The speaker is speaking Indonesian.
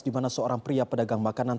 di mana seorang pria pedagang makanan